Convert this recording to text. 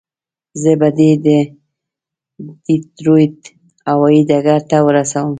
زه به دې د ډیترویت هوایي ډګر ته ورسوم.